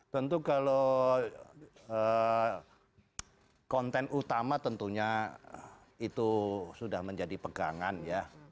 tentu kalau konten utama tentunya itu sudah menjadi pegangan ya